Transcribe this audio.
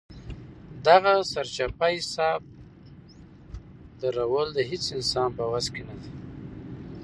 دغه سرچپه حساب درول د هېڅ انسان په وس کې نه ده.